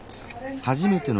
初めての。